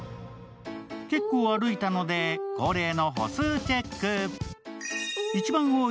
結構歩いたので、恒例の歩数チェック。